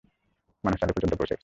মানুষ চাঁদে পর্যন্ত পৌঁছে গেছে।